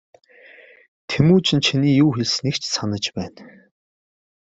Тэмүжин чиний юу хэлснийг ч санаж байна.